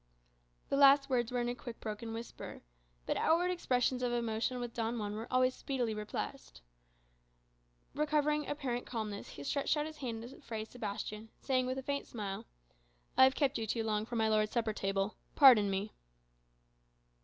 The last words were a quick broken whisper. But outward expressions of emotion with Don Juan were always speedily repressed. Recovering apparent calmness, he stretched out his hand to Fray Sebastian, saying, with a faint smile, "I have kept you too long from my lord's supper table pardon me."